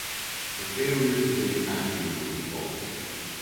The failure to take action is the default.